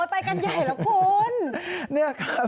อ๋อไปกันใหญ่